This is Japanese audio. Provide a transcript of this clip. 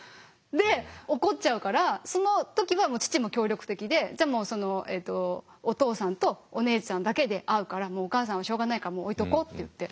で怒っちゃうからその時は父も協力的で「じゃあお父さんとお姉ちゃんだけで会うからお母さんはしょうがないからもう置いとこう」って言って。